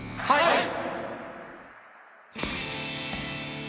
はい！